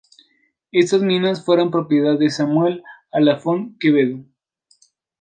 Estas minas fueron propiedad de Samuel A. Lafone Quevedo.